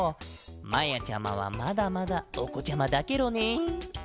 まやちゃまはまだまだおこちゃまだケロね。